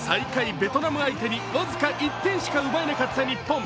ベトナム相手に僅か１点しか奪えなかった日本。